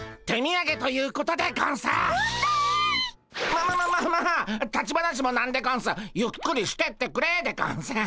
ままままあまあ立ち話もなんでゴンスゆっくりしてってくれでゴンス。